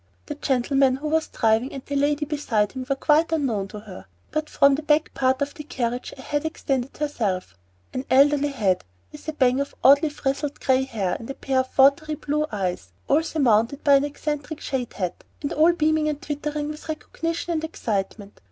The gentleman who was driving and the lady beside him were quite unknown to her; but from the back part of the carriage a head extended itself, an elderly head, with a bang of oddly frizzled gray hair and a pair of watery blue eyes, all surmounted by an eccentric shade hat, and all beaming and twittering with recognition and excitement.